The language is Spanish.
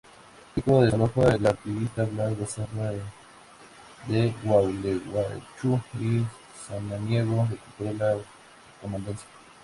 Pico desalojó al artiguista Blas Basualdo de Gualeguaychú y Samaniego recuperó la comandancia.